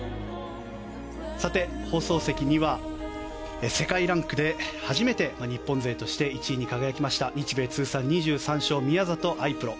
放送席には、世界ランクで初めて日本勢として１位に輝きました日米通算２３勝宮里藍プロ。